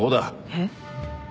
えっ？